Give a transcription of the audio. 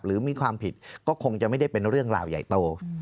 หรือมีความผิดก็คงจะไม่ได้เป็นเรื่องราวใหญ่โต